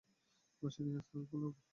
বাসায় নিয়ে আসতে বলো ওকে!